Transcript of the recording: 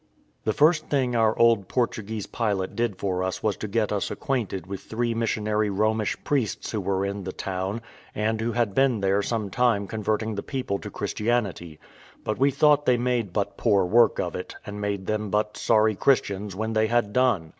The first thing our old Portuguese pilot did for us was to get us acquainted with three missionary Romish priests who were in the town, and who had been there some time converting the people to Christianity; but we thought they made but poor work of it, and made them but sorry Christians when they had done.